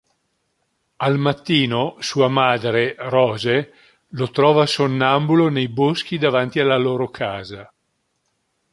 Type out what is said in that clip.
Al mattino, sua madre, Rose, lo trova sonnambulo nei boschi davanti alla loro casa.